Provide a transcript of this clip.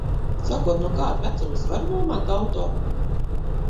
Sākot no kāda vecuma es varu nomāt auto?